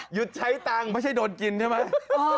ใช้ตังค์ไม่ใช่โดนกินใช่ไหม